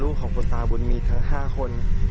ลูกของคุณตาบุญมีทั้ง๕คน